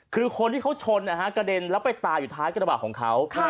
คือคนที่เขาชนกระเด็นแล้วไปตายอยู่ท้ายกระบะของเขา